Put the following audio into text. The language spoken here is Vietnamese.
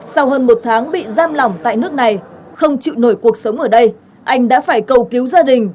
sau hơn một tháng bị giam lỏng tại nước này không chịu nổi cuộc sống ở đây anh đã phải cầu cứu gia đình